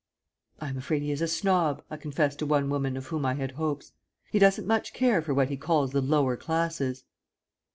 "I am afraid he is a snob," I confessed to one woman of whom I had hopes. "He doesn't much care for what he calls the lower classes."